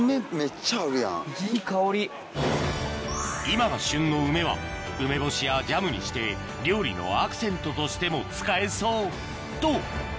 今が旬の梅は梅干しやジャムにして料理のアクセントとしても使えそうと！